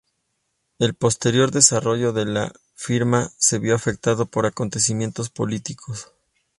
El posterior desarrollo de la firma se vio afectado por acontecimientos políticos.